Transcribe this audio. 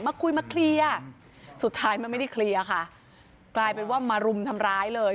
มาคุยมาสุดท้ายมันไม่ได้คลีย์อ่ะค่ะกลายเป็นว่ามารุ้มทำร้ายเลย